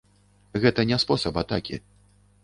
Гэта не спосаб атакі.